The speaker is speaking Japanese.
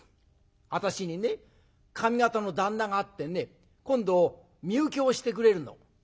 「私にね上方の旦那があってね今度身請けをしてくれるの」。